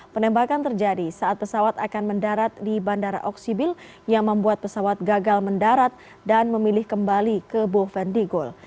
penembakan terjadi saat pesawat akan mendarat di bandara oksibil yang membuat pesawat gagal mendarat dan memilih kembali ke bovendigul